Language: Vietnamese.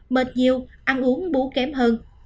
mệt nhiều ăn uống bú kém hơn